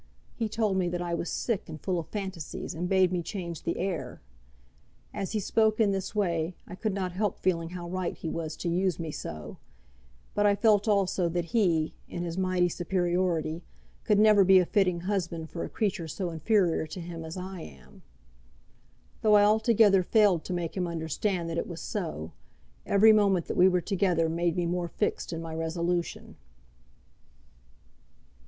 He told me that I was sick and full of phantasies, and bade me change the air. As he spoke in this way, I could not help feeling how right he was to use me so; but I felt also that he, in his mighty superiority, could never be a fitting husband for a creature so inferior to him as I am. Though I altogether failed to make him understand that it was so, every moment that we were together made me more fixed in my resolution."